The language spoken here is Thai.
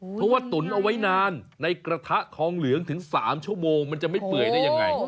เพราะว่าตุ๋นเอาไว้นานในกระทะทองเหลืองถึง๓ชั่วโมงมันจะไม่เปื่อยได้ยังไง